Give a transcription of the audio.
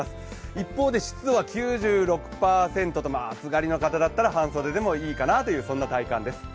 一方で湿度は９６％と、暑がりの方だったら半袖でもいいかなという体感です。